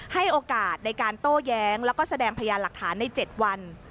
ให้โอกาสในการโต้แย้งแล้วก็แสดงพยานหลักฐานใน๗วัน